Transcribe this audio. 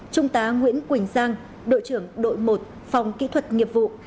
trung tá nguyễn quỳnh giang đội trưởng đội một phòng kỹ thuật nghiệp vụ